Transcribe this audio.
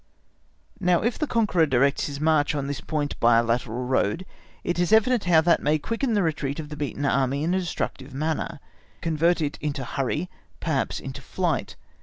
Now if the conqueror directs his march on this point by a lateral road, it is evident how that may quicken the retreat of the beaten Army in a destructive manner, convert it into hurry, perhaps into flight.